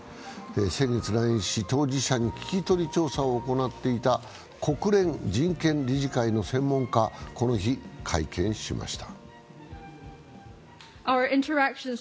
先月来日し、当事者に聞き取り調査を行っていた国連人権理事会の専門家がこの日、会見しました。